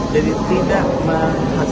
jadi tidak menghasilkan polusi